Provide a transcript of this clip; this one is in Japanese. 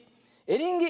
エリンギ。